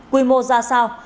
quy mô ra sao